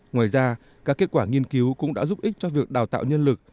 ngoài ra các kết quả nghiên cứu cũng đã giúp ích cho việc đào tạo nhân lực